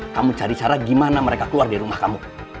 kamu cari cara gimana mereka keluar di rumah kamu